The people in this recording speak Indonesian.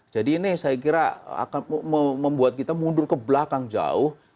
ini saya kira akan membuat kita mundur ke belakang jauh